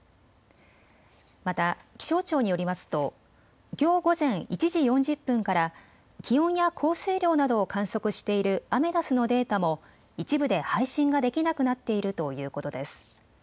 また気象庁によりますときょう午前１時４０分から気温や降水量などを観測しているアメダスのデータも一部で配信ができなくなっているということです。